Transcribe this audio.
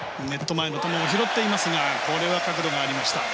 前の球を拾っていますがこれは角度がありました。